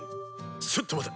ちょっと待て！